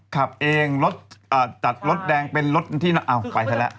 ขับเองรถจัดรถแดงเป็นรถที่เอาไปซะแล้ว